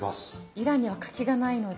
イランにはかきがないので。